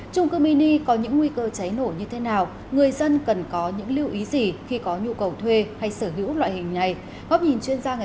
trung cư mini có những nguy cơ cháy nổ như thế nào người dân cần có những lưu ý gì khi có nhu cầu thuê hay sở hữu loại hình này